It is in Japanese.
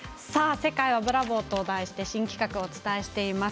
「世界はブラボー！」と題して新企画をお伝えしています。